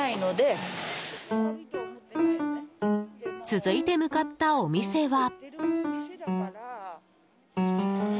続いて向かったお店は。